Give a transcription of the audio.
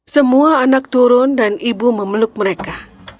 semua anak turun dan ibu memeluk mereka